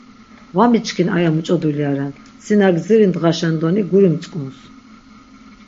Va miçkin aya muç̌o dulya ren, si na gdziri dğaşen doni guri mtzk̆uns.